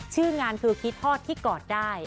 ชื่องานคือคิดฮอดที่กอดได้